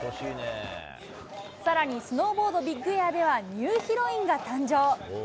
さらにスノーボード・ビッグエアでは、ニューヒロインが誕生。